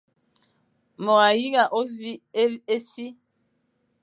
Môr a yinga ôsṽi e si.